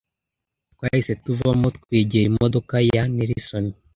Twahise tuvamo twegera imodoka ya Nelson